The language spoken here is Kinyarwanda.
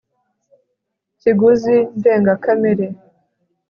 kiguzi ndengakamere